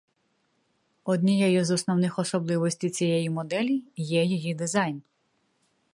Однією з основних особливостей цієї моделі є її дизайн.